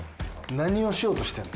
何をしようとしてんの？